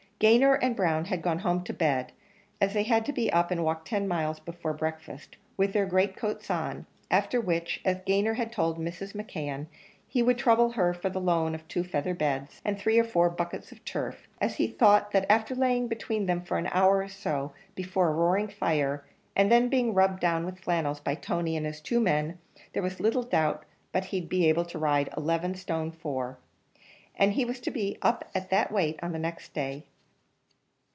Gayner and Brown had gone home to bed, as they had to be up and walk ten miles before breakfast, with their great coats on; after which, as Gayner had told Mrs. McKeon, he would trouble her for the loan of two feather beds, and three or four buckets of turf; as he thought that after laying between them for an hour or so before a roaring fire, and then being rubbed down with flannels by Tony and his two men, there was little doubt but he'd be able to ride 11 stone 4; and he was to be up at that weight on the next day.